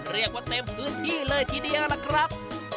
เรียกว่าเต็มพื้นที่เลยทีเดียวล่ะครับ